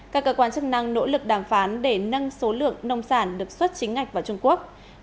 các cơ quan chức năng nỗ lực đàm phán để nâng số lượng nông sản được xuất chính ngạch vào trung quốc